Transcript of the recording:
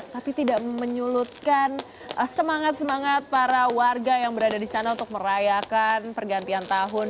tapi tidak menyulutkan semangat semangat para warga yang berada di sana untuk merayakan pergantian tahun dua ribu dua puluh